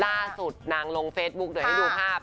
ล่าสุดนางลงเฟซบุ๊คให้ดูภาพ